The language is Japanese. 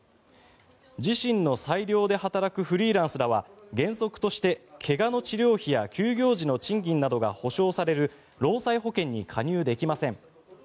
自身の裁量で働くフリーランスらは原則として、怪我の治療費や休業の賃金などが補償される労災保険に加入できません。